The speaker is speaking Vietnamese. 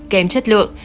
kém chất lượng